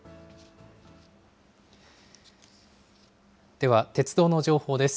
では、鉄道の情報です。